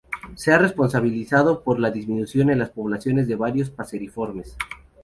Se le ha responsabilizado por la disminución en las poblaciones de varios paseriformes.